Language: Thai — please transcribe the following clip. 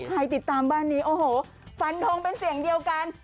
ติดตามบ้านนี้โอ้โหฟันทงเป็นเสียงเดียวกัน